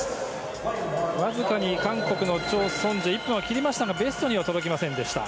わずかに韓国のチョ・ソンジェ１分は切りましたがベストには届きませんでした。